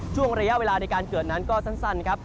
ช่วงระยะเวลาในการเกิดนั้นก็สั้นครับ